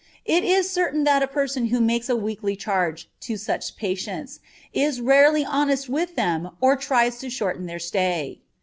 It is certain that the person who makes a weekly charge to such patients is rarely honest with them or tries to shorten their stay.